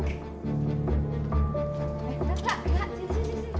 eh lelak lelak sini sini